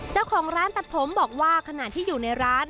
เจ้าของร้านตัดผมบอกว่าขณะที่อยู่ในร้าน